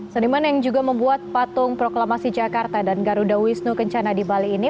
seniman yang juga membuat patung proklamasi jakarta dan garuda wisnu kencana di bali ini